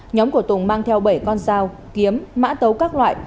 nhóm của tùng mang theo bảy con dao kiếm mã tấu các loại